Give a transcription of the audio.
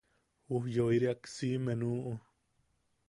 Ujyoiriak siʼime nuʼu.